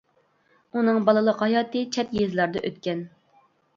ئۇنىڭ بالىلىق ھاياتى چەت يېزىلاردا ئۆتكەن.